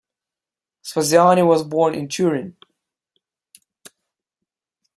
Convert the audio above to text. Spaziani was born in Turin.